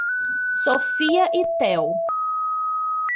Sophia e Théo